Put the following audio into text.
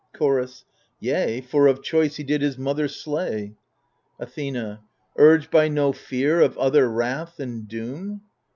Chorus Yea, for of choice he did his mother slay. Athena Urged by no fear of other wrath and doom